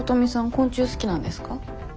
昆虫好きなんですか？